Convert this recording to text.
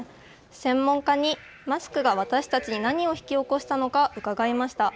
専門家にマスクが私たちに何を引き起こしたのか伺いました。